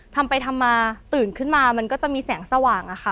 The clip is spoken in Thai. ทำไปทำมาตื่นขึ้นมามันก็จะมีแสงสว่างอะค่ะ